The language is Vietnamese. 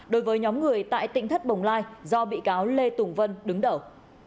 đối với nhóm người tại tỉnh thất bồng lai do bị cáo lê tùng vân đứng đầu